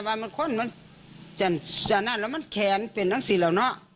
แล้วบอกแม่ว่ามันคนมันจันนั้นแล้วมันแขนเป็นทั้งสี่แล้วเนอะ